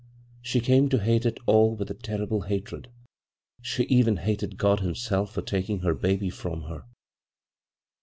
She came to bate it all with a terrible hatred — she even hated God Himself for taking her baby irom her.